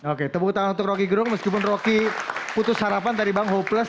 oke tepuk tangan untuk roky gerung meskipun rocky putus harapan tadi bang hopeles